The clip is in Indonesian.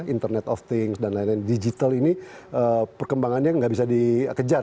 internet of things dan lain lain digital ini perkembangannya nggak bisa dikejar